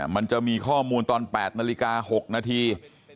มันจะมีข้อมูลตอน๘นาฬิกา๖นาที